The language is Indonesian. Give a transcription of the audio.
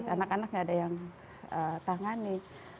anak anak nggak ada yang tangani